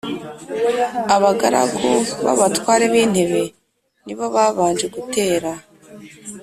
Abagaragu b’abatware b’intebe ni bo babanje gutera